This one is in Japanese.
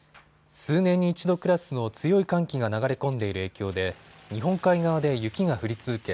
数年に一度クラスの強い寒気が流れ込んでいる影響で日本海側で雪が降り続け